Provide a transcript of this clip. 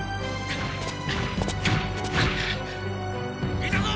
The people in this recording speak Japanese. いたぞ！